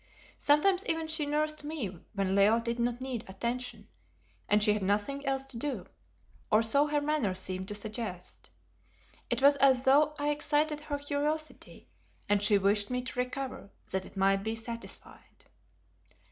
Sometimes even she nursed me when Leo did not need attention, and she had nothing else to do, or so her manner seemed to suggest. It was as though I excited her curiosity, and she wished me to recover that it might be satisfied.